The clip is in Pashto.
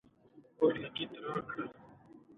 آزاد تجارت مهم دی ځکه چې هوټلونه پرمختګ کوي.